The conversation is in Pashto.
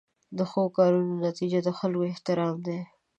د ښو کارونو نتیجه د خلکو احترام دی.